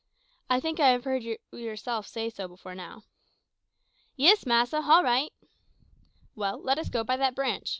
I think I have heard yourself say so before now." "Yis, massa, hall right." "Well, let us go by that branch.